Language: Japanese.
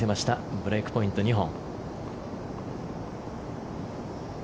ブレークポイント、２本。